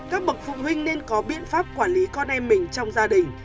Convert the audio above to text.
các bậc phụ huynh nên có biện pháp quản lý con em mình trong gia đình